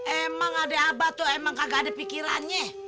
emang ada aba tuh emang kagak ada pikirannya